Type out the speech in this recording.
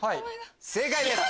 正解です。